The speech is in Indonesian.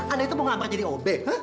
anda itu mau nggak mbak jadi ob